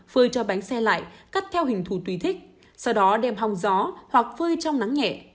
phơi cho bánh xe lại cất theo hình thù tùy thích sau đó đem hòng gió hoặc phơi trong nắng nhẹ